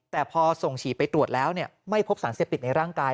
แต่พอส่งฉีดไปตรวจแล้วไม่พบสารเสพติดในร่างกาย